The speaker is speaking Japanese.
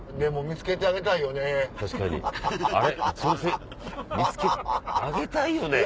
「見つけてあげたいよね」？